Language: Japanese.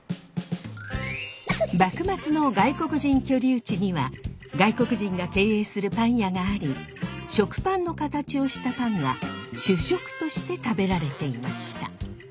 幕末の外国人居留地には外国人が経営するパン屋があり食パンの形をしたパンが主食として食べられていました。